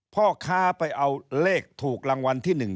พ่อค้าไปเอาเลขถูกรางวัลที่๑